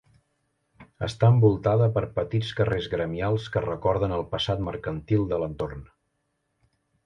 Està envoltada per petits carrers gremials que recorden el passat mercantil de l'entorn.